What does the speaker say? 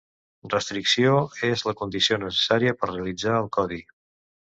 Restricció: és la condició necessària per realitzar el codi.